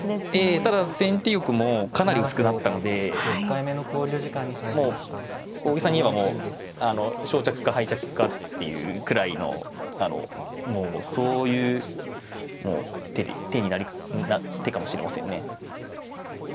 ただ先手玉もかなり薄くなったんでもう大げさに言えばもう勝着か敗着かっていうくらいのもうそういうもう手かもしれませんね。